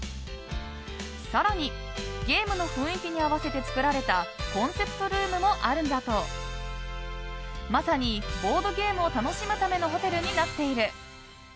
更に、ゲームの雰囲気に合わせて造られたコンセプトルームもあるなどまさにボードゲームを楽しむためのホテルになっている。